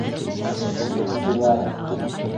Их, Дилара!